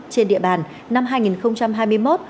trên địa bàn năm hai nghìn hai mươi một